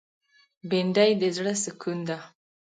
بېنډۍ د زړه سکون ده